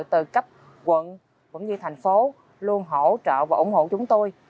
từ cấp quận cũng như thành phố luôn hỗ trợ và ủng hộ chúng tôi